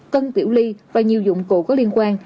cân tiểu ly và nhiều dụng cụ có liên quan